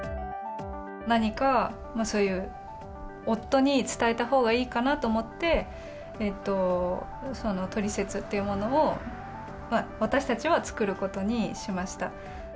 何か、そういう夫に伝えたほうがいいかなと思って、トリセツっていうものを私たちは作ることにしました。